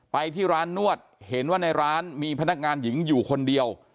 ไปที่ร้านนวดเห็นว่าในร้านมีพนักงานหญิงอยู่คนเดียว